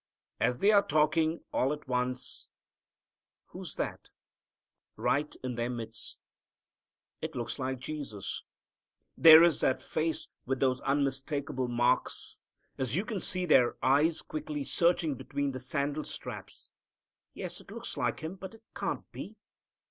As they are talking, all at once who's that? right in their midst. It looks like Jesus. There is that face with those unmistakable marks. And you can see their eyes quickly searching between the sandal straps. Yes, it looks like Him. But it can't be.